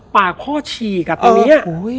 ปากพ่อฉีกตอนนี้